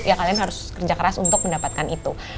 ya kalian harus kerja keras untuk mendapatkan itu